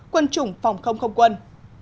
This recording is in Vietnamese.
quân chủng phòng không không quân